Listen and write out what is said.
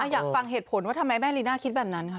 อยากฟังเหตุผลว่าทำไมแม่ลีน่าคิดแบบนั้นค่ะ